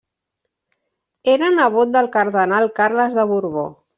Era nebot del cardenal Carles de Borbó.